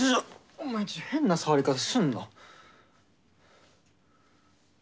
お前ちょっと変な触り方すんな。